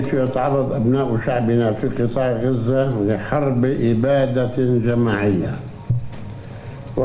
saya ingin mengucapkan kebutuhan kepada anak anak kita di gaza untuk berjuang untuk berjaga jaga